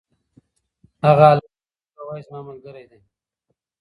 هغه هلک چې پښتو وايي زما ملګری دی.